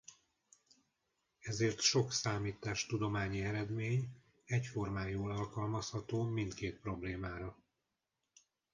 Ezért sok számítástudományi eredmény egyformán jól alkalmazható mindkét problémára.